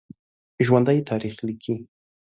ژوندي تاریخ لیکي